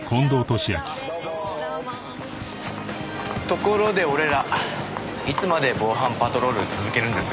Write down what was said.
ところで俺らいつまで防犯パトロール続けるんですか？